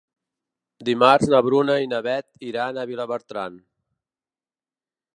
Dimarts na Bruna i na Beth iran a Vilabertran.